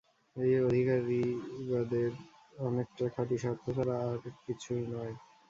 এই অধিকারিবাদের অনেকটা খাঁটি স্বার্থ ছাড়া আর কিছুই নয়।